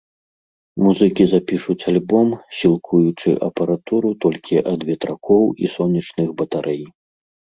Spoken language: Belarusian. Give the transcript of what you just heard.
Музыкі запішуць альбом, сілкуючы апаратуру толькі ад ветракоў і сонечных батарэй.